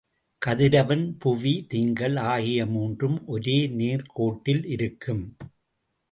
கதிரவன், புவி, திங்கள் ஆகிய மூன்றும் ஒரே நேர்க் கோட்டில் இருக்கும்.